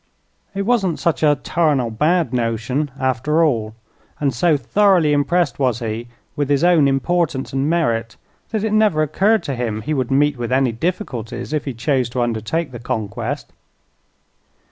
It wasn't such a "tarnal bad notion," after all, and so thoroughly impressed was he with his own importance and merit that it never occurred to him he would meet with any difficulties if he chose to undertake the conquest.